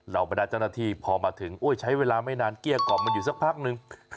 บรรดาเจ้าหน้าที่พอมาถึงใช้เวลาไม่นานเกลี้ยกล่อมมันอยู่สักพักนึง